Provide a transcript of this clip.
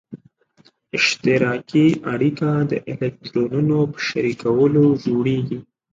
اشتراکي اړیکه د الکترونونو په شریکولو جوړیږي.